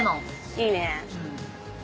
いいね。